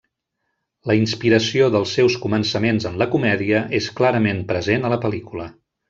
La inspiració dels seus començaments en la comèdia és clarament present a la pel·lícula.